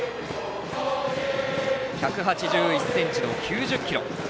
１８１ｃｍの９０ｋｇ。